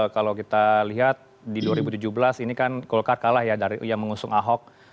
kalau kita lihat di dua ribu tujuh belas ini kan golkar kalah ya dari yang mengusung ahok